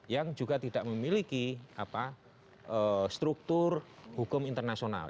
yang juga tidak memiliki struktur hukum internasional